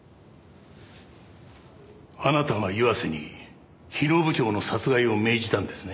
あなたが岩瀬に日野部長の殺害を命じたんですね？